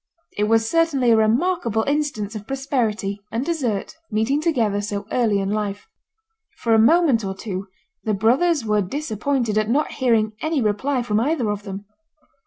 It was certainly a remarkable instance of prosperity and desert meeting together so early in life. For a moment or two the brothers were disappointed at not hearing any reply from either of them.